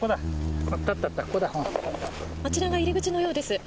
あちらが入り口のようです。